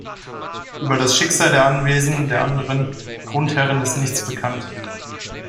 Über das Schicksal der Anwesen der anderen Grundherren ist nichts bekannt.